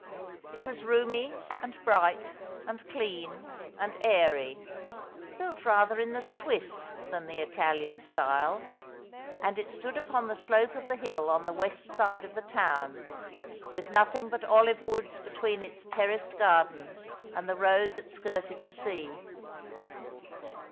It was roomy, and bright, and clean, and airy, built rather in the Swiss than the Italian style, and it stood upon the slope of the hill on the west side of the town, with nothing but olive woods between its terraced garden and the road that skirted the sea.